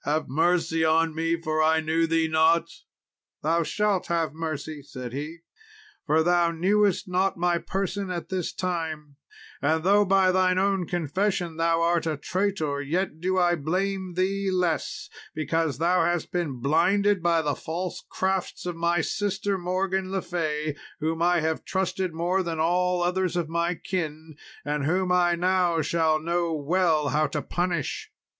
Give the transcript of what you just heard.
have mercy on me, for I knew thee not." "Thou shalt have mercy," said he, "for thou knewest not my person at this time; and though by thine own confession thou art a traitor, yet do I blame thee less, because thou hast been blinded by the false crafts of my sister Morgan le Fay, whom I have trusted more than all others of my kin, and whom I now shall know well how to punish."